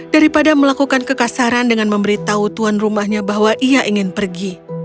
daripada melakukan kekasaran dengan memberitahu tuan rumahnya bahwa ia ingin pergi